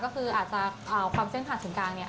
ก็คืออาจจะความเส้นผ่านถึงกลางเนี่ย